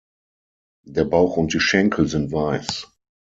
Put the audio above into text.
Der Bauch und die Schenkel sind weiß.